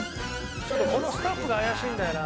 このスタッフが怪しいんだよな。